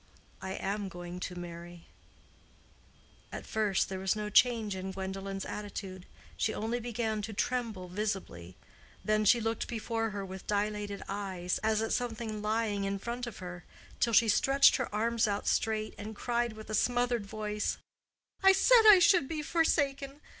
"I am going to marry." At first there was no change in Gwendolen's attitude: she only began to tremble visibly; then she looked before her with dilated eyes, as at something lying in front of her, till she stretched her arms out straight, and cried with a smothered voice, "I said I should be forsaken.